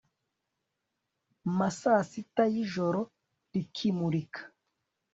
ma saa sita y ijoro rikimurika